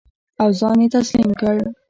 او ځان یې تسلیم کړ.